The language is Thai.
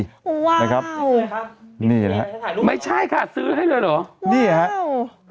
ว้าวนี่นะครับนี่นะครับไม่ใช่ค่ะซื้อให้เลยเหรอว้าว